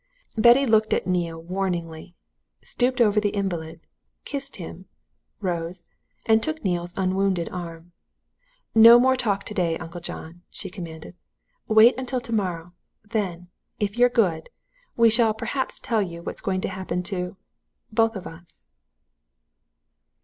Betty looked at Neale warningly, stooped over the invalid, kissed him, rose and took Neale's unwounded arm. "No more talk today, Uncle John!" she commanded. "Wait until tomorrow. Then if you're very good we shall perhaps tell you what is going to happen to both of us!"